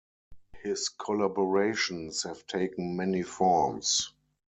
His collaborations have taken many forms.